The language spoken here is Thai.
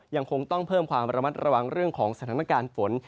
ยังคงต้องเพิ่มความระมัดระวังเรื่องของสถานการณ์ฝน